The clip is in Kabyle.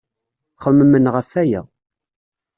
Xemmemen ɣef waya.